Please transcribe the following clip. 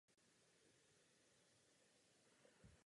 Překládal též z němčiny krátké povídky.